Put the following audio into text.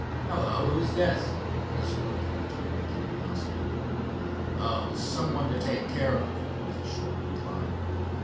"Hello, who's this?" he spoke in a tone of curiosity. "Oh, some one to take care of," was the short reply.